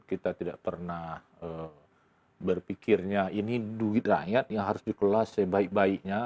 kita tidak pernah berpikirnya ini duit rakyat yang harus dikelas sebaik baiknya